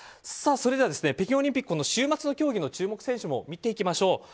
それでは北京オリンピックの週末の競技の注目選手も見ていきましょう。